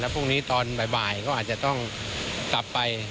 พรุ่งนี้ตอนบ่ายก็อาจจะต้องกลับไป